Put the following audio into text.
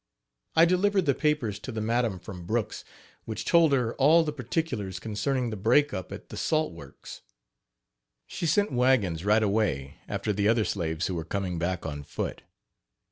I delivered the papers to the madam from Brooks, which told her all the particulars concerning the break up at the salt works. She sent wagons right away after the other slaves who were coming back on foot.